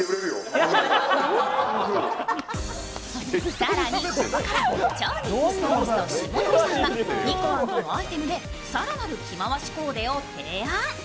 更にここから、超人気スタイリスト、霜鳥さんがｎｉｋｏａｎｄのアイテムで更なる着回しコーデを提案。